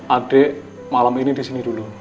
adik malam ini di sini dulu